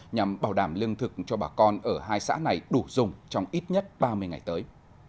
nhằm bảo đảm lương thực cho bà con ở hai xã này đủ dùng trong ít nhất ba mươi ngày tới